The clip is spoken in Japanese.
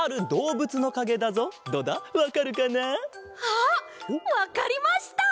あっわかりました！